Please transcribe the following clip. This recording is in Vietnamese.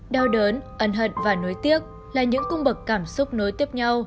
đau đớn hận và nối tiếc là những cung bậc cảm xúc nối tiếp nhau